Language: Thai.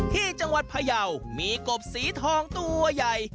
ที่จังหวัดพยาวมีกบสีทองตัวใหญ่